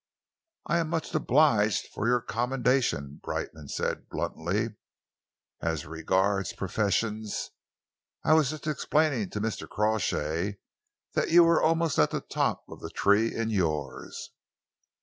"I am much obliged for your commendation," Brightman said bluntly. "As regards professions, I was just explaining to Mr. Crawshay that you were almost at the top of the tree in yours."